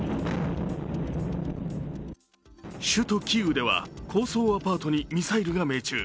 首都キーウでは高層アパートにミサイルが命中。